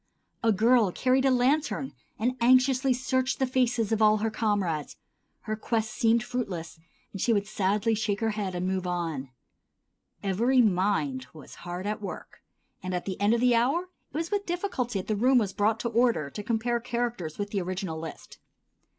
A girl carried a lantern and anxiously searched the faces of all her comrades; her quest seemed fruitless, and she would sadly shake her head and move on. Every mind was hard at work, and at the end of the hour it was with difficulty that the room was brought to order to compare characters with the original list.